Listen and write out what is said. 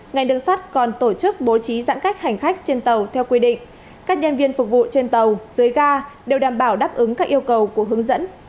ngành đường sắt còn tổ chức bố trí giãn cách hành khách trên tàu theo quy định các nhân viên phục vụ trên tàu dưới ga đều đảm bảo đáp ứng các yêu cầu của hướng dẫn